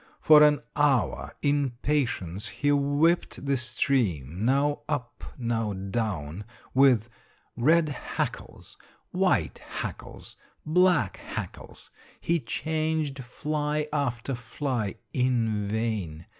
For an hour in patience he whipped the stream, now up, now down, with 'red hackles,' 'white hackles,' 'black hackles;' he changed fly after fly in vain.